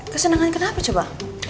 kesenangan kenapa coba